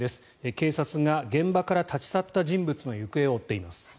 警察が現場から立ち去った人物の行方を追っています。